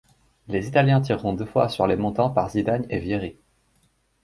Les italiens tireront deux fois sur les montants par Zidane et Vieri.